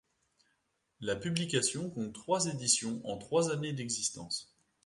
La publication compte trois éditions en trois années d'existence.